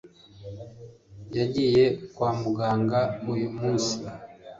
yagiye kwa mu ganga uyu munsi